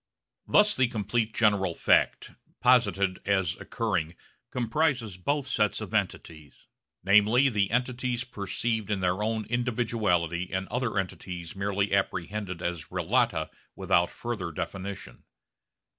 Thus the complete general fact, posited as occurring, comprises both sets of entities, namely the entities perceived in their own individuality and other entities merely apprehended as relata without further definition.